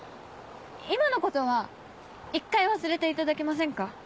今のことはイッカい忘れていただけませんか？